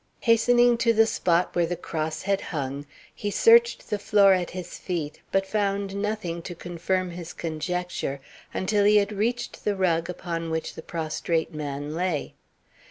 Hastening to the spot where the cross had hung, he searched the floor at his feet, but found nothing to confirm his conjecture until he had reached the rug on which the prostrate man lay.